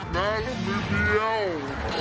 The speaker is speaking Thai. หน้าเราไม่เบี้ยว